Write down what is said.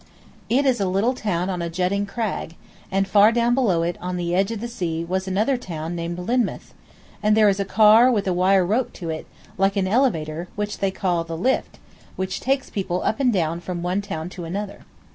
It is a little town on a jutting crag, and far down below it on the edge of the sea was another town named Lynmouth, and there is a car with a wire rope to it, like an elevator, which they call The Lift, which takes people up and down from one town to another.